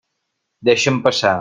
Deixa'm passar.